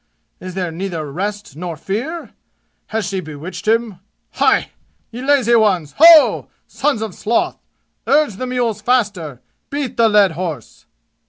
Is there neither rest nor fear? Has she bewitched him? Hai! Ye lazy ones! Ho! Sons of sloth! Urge the mules faster! Beat the led horse!"